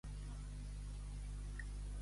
Mal va la noia que en homes posa amor.